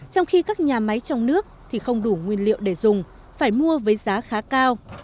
trong khi các nhà máy trong nước thì không đủ nguyên liệu để dùng phải mua với giá khá cao